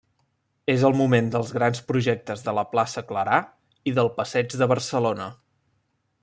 És el moment dels grans projectes de la plaça Clarà i del passeig de Barcelona.